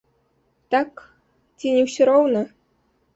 Так, ці не ўсё роўна?